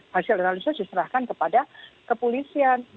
hasil analisis diserahkan kepada kepolisian